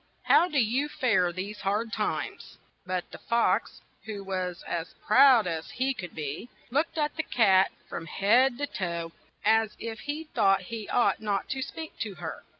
How do you fare these hard times ?'' But the fox, who was as proud as he could be, looked at the cat from head to foot, as if he thought he ought not to speak to her.